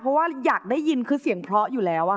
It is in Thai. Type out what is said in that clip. เพราะว่าอยากได้ยินคือเสียงเพราะอยู่แล้ว